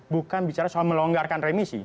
bukan bicara soal melonggarkan remisi